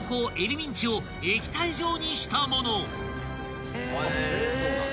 ミンチを液体状にしたもの］